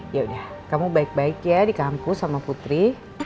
yaudah kamu baik baik ya di kampus sama putri